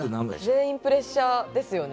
全員プレッシャーですよね。